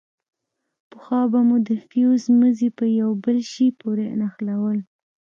پخوا به مو د فيوز مزي په يوه بل شي پورې نښلول.